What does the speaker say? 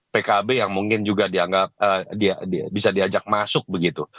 pkb yang mungkin juga dianggap bisa diajak masuk begitu